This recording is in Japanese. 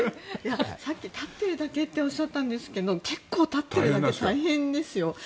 さっき立ってるだけとおっしゃったんですけど結構、大変ですよ。